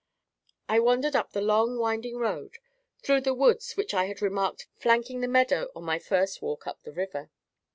I wandered up the long winding road, through the woods which I had remarked flanking the meadow on my first walk up the river.